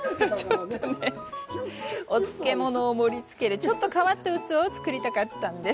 お漬物を盛りつけるちょっと変わった器を作りたかったんです。